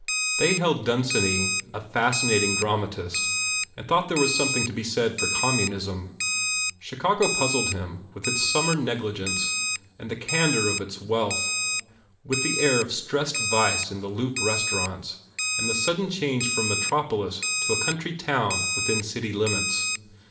They held Dunsany a fascinating dram atist and thought there was something to be said for communism. Chicago puzzled him with its summer negligence and the candour of its wealth, 157 THE FAIR REWARDS with the air of stressed vice in the Loop restau rants and the sudden change from metropolis to a country town within the city limits.